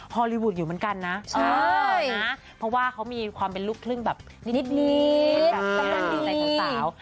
ฮอลลีวูดอยู่เหมือนกันนะเพราะว่าเขามีความเป็นลูกครึ่งแบบนิดแบบกำลังดีใจสาว